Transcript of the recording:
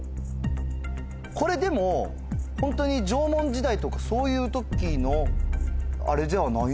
これでもホントに。とかそういう時のあれじゃないの？